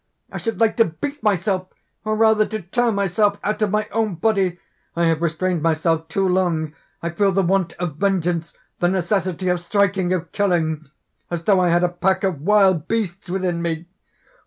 I should like to beat myself, or rather to tear myself out of my own body! I have restrained myself too long. I feel the want of vengeance the necessity of striking, of killing! as though I had a pack of wild beasts within me!